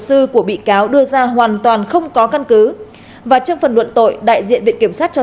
sư của bị cáo đưa ra hoàn toàn không có căn cứ và trong phần luận tội đại diện viện kiểm sát cho